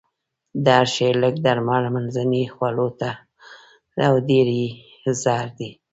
د هر شي لږ درمل، منځنۍ خواړه او ډېر يې زهر دي.